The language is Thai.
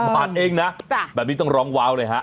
บาทเองนะแบบนี้ต้องร้องว้าวเลยฮะ